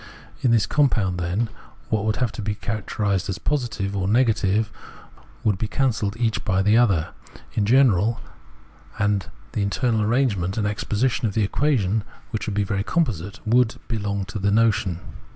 In this compound, then, what would have to be characterised as positive or negative, and would be cancelled each by the other — in general, the internal arrangement and exposition of the equation, which would be very composite, — would be long to the notion.